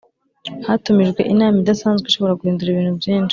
Hatumijwe inama idasanzwe ishobora guhindura ibintu byinshi